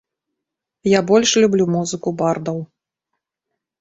Я больш люблю музыку бардаў.